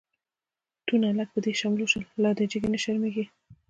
تو لعنت په دی شملو شه، لادی جگی نه شرمیږی